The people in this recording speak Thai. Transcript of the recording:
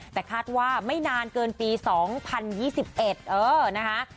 แต่คาดว่าไม่นานเกินปี๒๐๒๑เออนะคะ